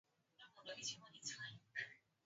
Mtihani mgumu.